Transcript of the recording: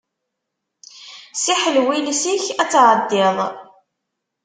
Ssiḥlew iles-ik, ad tɛeddiḍ.